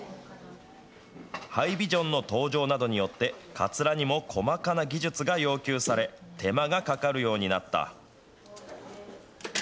ハイビジョンの登場などによって、かつらにも細かな技術が要求され、手間がかかるようになった。